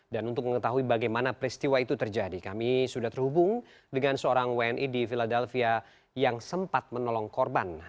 dan untuk mengetahui bagaimana peristiwa itu terjadi kami sudah terhubung dengan seorang wni di philadelphia yang sempat menolong korban